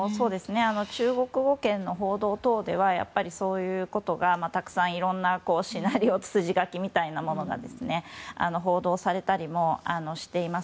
報道等ではそういうことがたくさんシナリオみたいなものが報道されたりもしています。